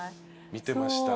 見てました。